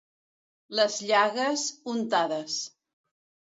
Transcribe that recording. Les llagues, untades.